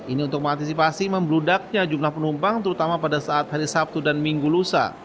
ini untuk mengantisipasi membludaknya jumlah penumpang terutama pada saat hari sabtu dan minggu lusa